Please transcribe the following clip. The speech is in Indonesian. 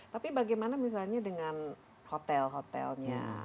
tapi bagaimana misalnya dengan hotel hotelnya